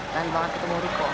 pengen banget ketemu riko